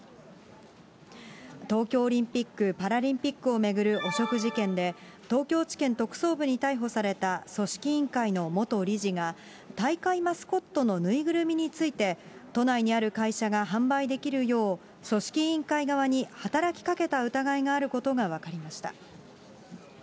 東京オリンピック・パラリンピックを巡る汚職事件で、東京地検特捜部に逮捕された組織委員会の元理事が、大会マスコットの縫いぐるみについて、都内にある会社が販売できるよう、組織委員会側に働きかけた疑いがあることが分かりました。